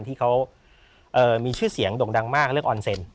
ที่เขามีชื่อเสียงด่งดังมากเรื่องออนเซ็น